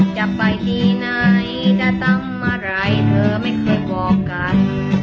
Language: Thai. จะไปที่ไหนจะทำอะไรเธอไม่เคยบอกกัน